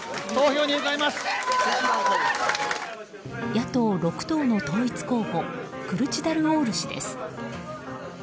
野党６党の統一候補クルチダルオール氏です。